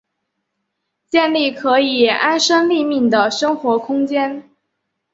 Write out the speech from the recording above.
建立可以安身立命的生活空间